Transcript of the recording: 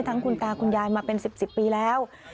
ทั้งคุณตาคุณยายมาเป็นสิบปีแล้ว